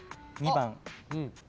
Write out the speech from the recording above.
２番。